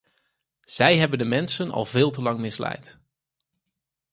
Zij hebben de mensen al veel te lang misleid.